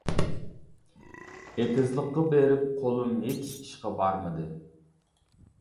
ئېتىزلىققا بېرىپ قولۇم ھېچ ئىشقا بارمىدى.